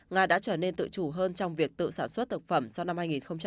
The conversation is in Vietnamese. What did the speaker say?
nga đã trở nên tự chủ hơn trong việc tự sản xuất thực phẩm sau năm hai nghìn hai mươi